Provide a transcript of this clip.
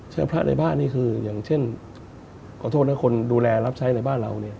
พระในบ้านนี่คืออย่างเช่นขอโทษนะคนดูแลรับใช้ในบ้านเราเนี่ย